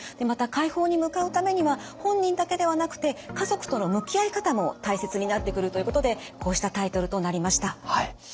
また快方に向かうためには本人だけではなくて家族との向き合い方も大切になってくるということでこうしたタイトルとなりました。